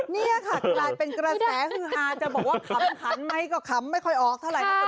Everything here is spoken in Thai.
นี่ค่ะกลายเป็นกระแสฮือฮาจะบอกว่าขันไม่ก็ขันไม่ค่อยออกเท่าไหร่